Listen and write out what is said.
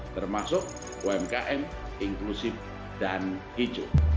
termasuk umkm inklusif dan hijau